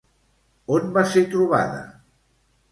On va ser trobada?